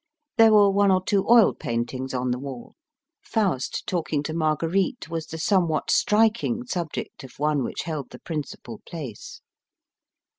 There were one or two oil paintings on the wall. Faust talking to Marguerite was the some what striking subject of one which held the principal place.